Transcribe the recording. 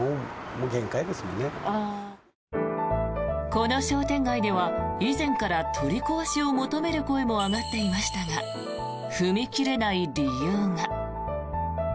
この商店街では以前から取り壊しを求める声も上がっていましたが踏み切れない理由が。